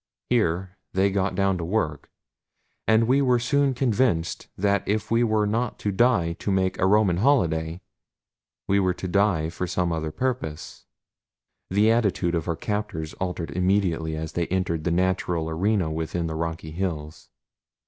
Here they got down to work, and we were soon convinced that if we were not to die to make a Roman holiday, we were to die for some other purpose. The attitude of our captors altered immediately as they entered the natural arena within the rocky hills.